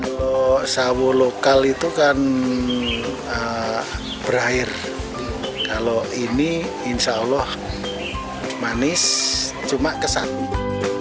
kalau sawo lokal itu kan berair kalau ini insya allah manis cuma kesannya